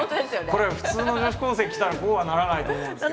これ普通の女子高生着たらこうはならないと思うんですけど。